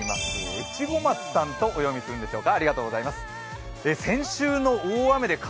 えちご松さんとお読みするんでしょうか。